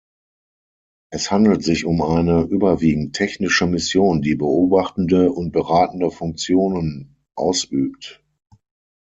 Es handelt sich um eine überwiegend technische Mission, die beobachtende und beratende Funktionen ausübt.